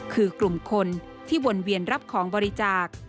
คือกลุ่มคนที่วนเวียนรับของบริจาค